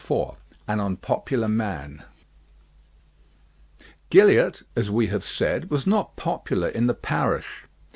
IV AN UNPOPULAR MAN Gilliatt, as we have said, was not popular in the parish.